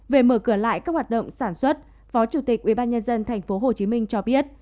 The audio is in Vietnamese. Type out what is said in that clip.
về mở cửa lại các hoạt động sản xuất phó chủ tịch ubnd tp hcm cho biết